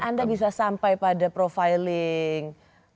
anda bisa sampai pada profiling